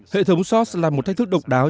hệ thống shots là một thách thức độc đáo